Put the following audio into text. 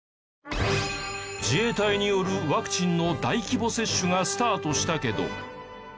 自衛隊によるワクチンの大規模接種がスタートしたけど。